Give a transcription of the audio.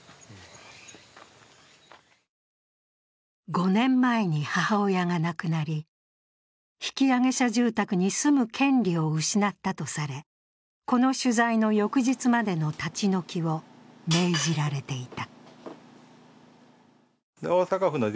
５年前に母親が亡くなり引揚者住宅に住む権利を失ったとされこの取材の翌日までの立ち退きを命じられていた。